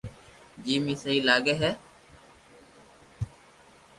جيم اي سھي لاگي ھي